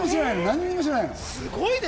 すごいね！